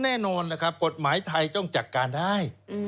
แน่นอนนะครับกฎหมายไทยต้องจัดการได้